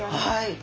はい。